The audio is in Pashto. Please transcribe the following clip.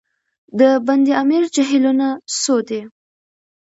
د بند امیر جهیلونه څو دي؟